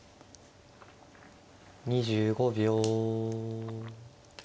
２５秒。